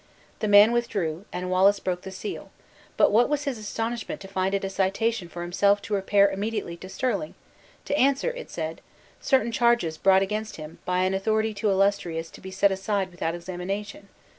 The man withdrew, and Wallace broke the seal; but what was his astonishment to find it a citation for himself to repair immediately to Stirling, "to answer," it said, "certain charges brought against him, by an authority too illustrious to be set aside without examination!"